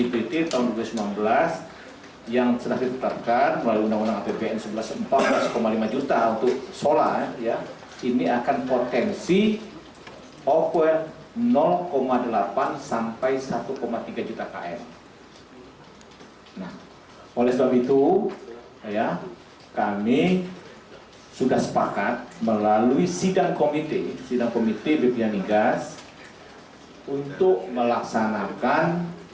bph migas telah mengeluarkan surat edaran ke pertamina untuk melakukan pengendalian pembelian jenis bbm solar